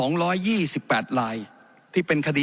ขออนุโปรประธานครับขออนุโปรประธานครับขออนุโปรประธานครับ